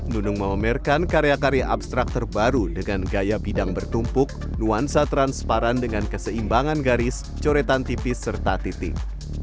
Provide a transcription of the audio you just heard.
nunung memamerkan karya karya abstrak terbaru dengan gaya bidang bertumpuk nuansa transparan dengan keseimbangan garis coretan tipis serta titik